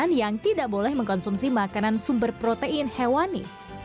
makan setiap hari tahu dan tempe juga boleh mengkonsumsi makanan sumber protein hewani